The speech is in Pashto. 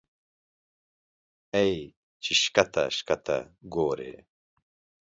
اې چې ښکته ښکته ګورې